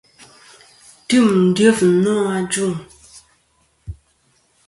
Tim dyef nô ajuŋ.